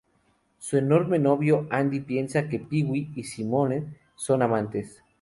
Su enorme novio Andy piensa que Pee-wee y Simone son amantes.